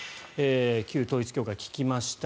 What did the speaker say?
旧統一教会に聞きました。